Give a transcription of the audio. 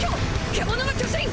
獣の巨人！！